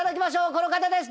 この方です。